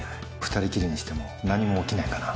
２人きりにしても何も起きないかな。